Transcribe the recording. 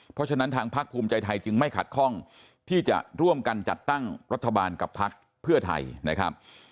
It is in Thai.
เพราะฉะนั้นทางพักภูมิใจไทยจึงไม่ขัดข้องที่จะร่วมกันจัดตั้งรัฐบาลกับพักเพื่อไทยนะครับ